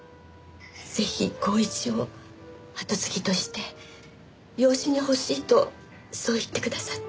ぜひ光一を後継ぎとして養子に欲しいとそう言ってくださって。